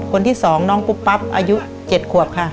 คนที่๒น้องปุ๊บปั๊บอายุ๗ขวบค่ะ